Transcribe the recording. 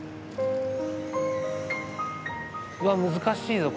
うわ難しいぞ。